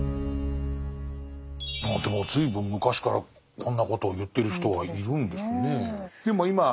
でも随分昔からこんなことを言ってる人がいるんですね。